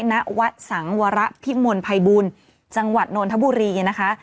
ณวัดสังวรพิมลภัยบูลจังหวัดนนทบุรีนะคะ